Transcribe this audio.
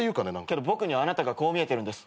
けど僕にはあなたがこう見えてるんです。